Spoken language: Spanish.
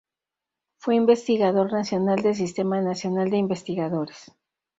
Fue investigador nacional del Sistema Nacional de Investigadores.